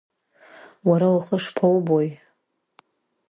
Уара ухы шԥоубои?